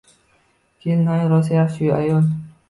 Kelinoyim rosa yaxshi ayol